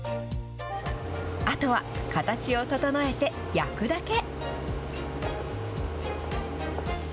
あとは形を整えて焼くだけ。